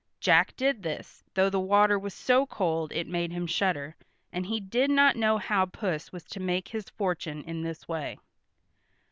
Jack did this, though the water was so cold it made him shudder, and he did not know how Puss was to make his fortune in this way.